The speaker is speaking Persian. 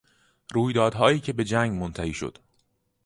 رویدادهایی که به جنگ منتهی شد